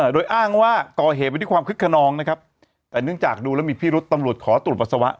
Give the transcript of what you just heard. โดยอ้างว่าก่อเหตุไปที่ความคึกขนองนะครับแต่เนื่องจากดูแล้วมีพิรุษตำรวจขอตรวจปัสสาวะ